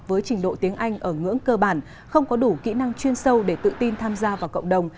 với trình độ tiếng anh ở ngưỡng cơ bản không có đủ kỹ năng chuyên sâu để tự tin tham gia vào cộng đồng